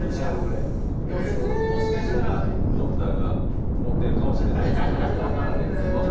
もしかしたら、ドクターが盛ってるかもしれないですけど。